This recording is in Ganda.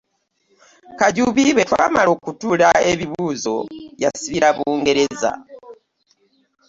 Kajubi bwe twamala okutuula ebibuuzo yasibira Bungereza.